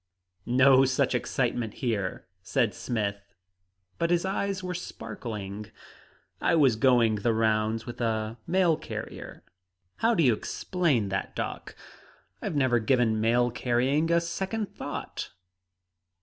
"No such excitement here," said Smith. But his eyes were sparkling. "I was going the rounds with a mail carrier. How do you explain that, doc? I've never given mail carrying a second thought."